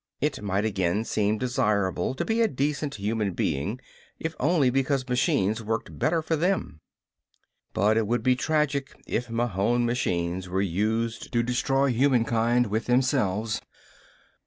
It might again seem desirable to be a decent human being if only because machines worked better for them. But it would be tragic if Mahon machines were used to destroy humankind with themselves!